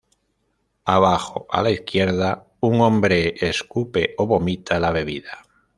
Abajo, a la izquierda, un hombre escupe o vomita la bebida.